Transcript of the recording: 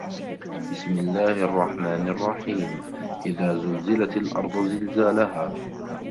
بِسمِ اللَّهِ الرَّحمنِ الرَّحيمِ إِذا زُلزِلَتِ الأَرضُ زِلزالَها